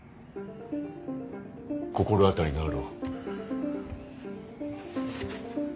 心当たりがあろう。